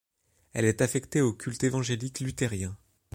Elle est affectée au culte évangélique-luthérien.